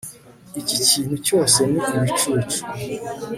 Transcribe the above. Iki kintu cyose ni ibicucu